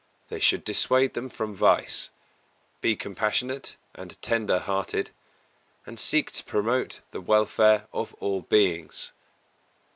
They should dissuade them from vice; be compassionate and tender hearted, and seek to promote the welfare of all beings.